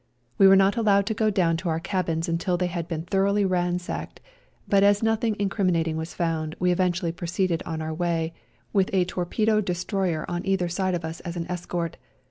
We were not allowed to go down to our cabins until they had been thoroughly ransacked, but as nothing in criminating was found we eventually pro ceeded on our way, with a torpedo destroyer on either side of us as an escort.